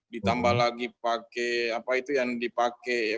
ditambah lagi pakai apa itu yang dipakai ya